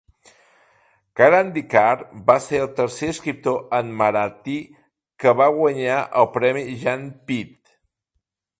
Karandikar va ser el tercer escriptor en marathi que va guanyar el premi Jnanpith.